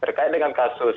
terkait dengan kasus